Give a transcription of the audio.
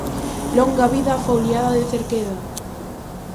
Longa vida á Foliada de Cerqueda!